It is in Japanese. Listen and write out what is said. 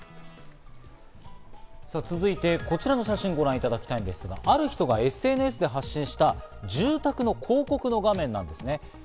さぁ、続いてこちらの写真をご覧いただきたいんですが、ある人がＳＮＳで発信した住宅の広告の画面なんですね。